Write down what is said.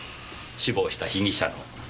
死亡した被疑者の。